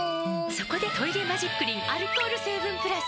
そこで「トイレマジックリン」アルコール成分プラス！